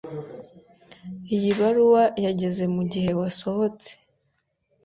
Iyi baruwa yageze mugihe wasohotse.